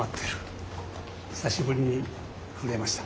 久しぶりに震えました。